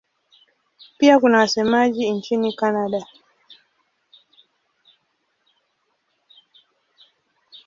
Pia kuna wasemaji nchini Kanada.